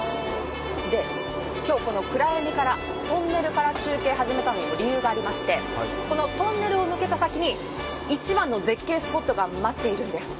今日この暗闇からトンネルから中継を始めたのにも理由がありまして、このトンネルを抜けた先に一番の絶景スポットが待っているんです。